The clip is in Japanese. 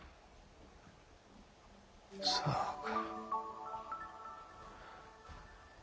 そうか。